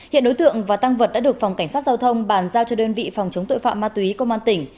hiện đối tượng và tăng vật đã được phòng cảnh sát giao thông bàn giao cho đơn vị phòng chống tội phạm ma túy công an tỉnh